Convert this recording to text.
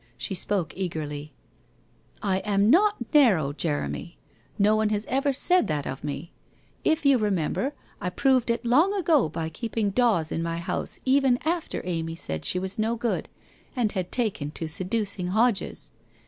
She spoke eagerly :' I am not narrow, Jeremy. No one has ever said that of me. If you remember, I proved it long ago by keeping Dawes in my house even after Amy said she was no good and had taken to seducing Hodges.